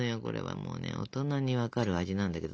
もうね大人に分かる味なんだけど。